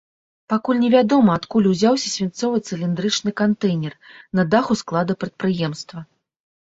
Пакуль невядома, адкуль узяўся свінцовы цыліндрычны кантэйнер на даху склада прадпрыемства.